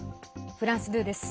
フランス２です。